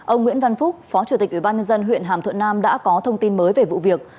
ông nguyễn văn phúc phó chủ tịch ủy ban nhân dân huyện hàm thuận nam đã có thông tin mới về vụ việc